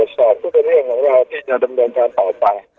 ตรวจสอบก็เป็นเรื่องของเราที่จะทำโดนการต่อไป